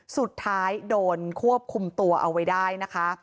สุดท้ายโดนควบคุมตัวเอาไว้ได้นะคะ